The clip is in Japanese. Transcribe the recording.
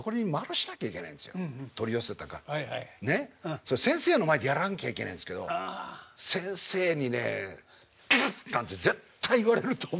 それ先生の前でやらなきゃいけないんですけど先生にね「プッ！」なんて絶対言われると思って。